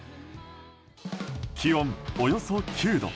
気温およそ９度。